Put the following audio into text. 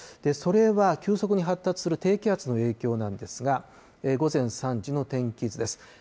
それは急速に発達する低気圧の影響なんですが、午前３時の天気図です。